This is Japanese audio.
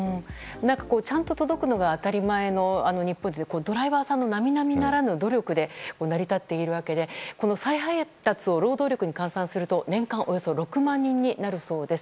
ちゃんと届くのが当たり前の日本はドライバーさんの並々ならぬ努力で成り立っているわけで再配達を労働力に換算すると年間およそ６万人になるそうです。